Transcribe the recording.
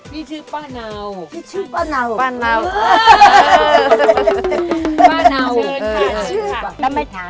นี่ชื่อป้าเนาที่ชื่อป้าเนาป้าเนา